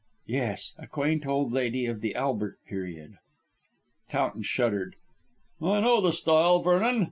"Yes. A quaint old lady of the Albert period." Towton shuddered. "I know the style, Vernon.